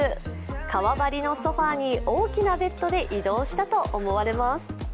革張りのソファーに大きなベッドで移動したと思われます。